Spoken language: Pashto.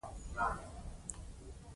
نړیوالو رسنیو خبرونه یې هم سانسور کړل.